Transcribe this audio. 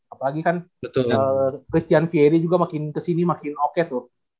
apalagi kan christian fieri juga makin kesini makin oke tuh